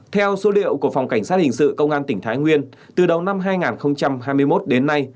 theo số liệu của phòng cảnh sát hình sự công an tỉnh thái nguyên từ đầu năm hai nghìn hai mươi một đến nay